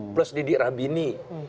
plus didi rahbini